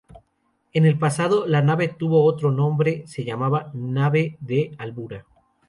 En el pasado La Nave tuvo otro nombre, se llamaba Nave de Albura.